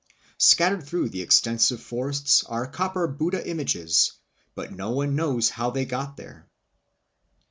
Scattered through the extensive forests are copper Buddha images, but no one knows how they got there.